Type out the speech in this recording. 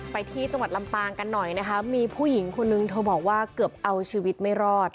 ไปที่จังหวัดลำปางกันหน่อยนะคะมีผู้หญิงคนนึงเธอบอกว่าเกือบเอาชีวิตไม่รอด